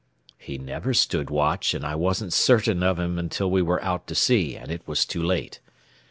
"He never stood watch, and I wasn't certain of him until we were out to sea and it was too late.